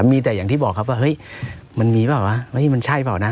มีแต่อย่างที่บอกครับว่ามันมีป่ะมันใช่เปล่านะ